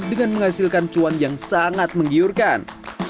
dan menghasilkan cuan yang sangat menggiurkan